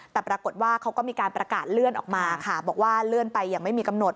แต่ปรากฏว่าเขาก็มีการประกาศเลื่อนออกมาค่ะบอกว่าเลื่อนไปอย่างไม่มีกำหนด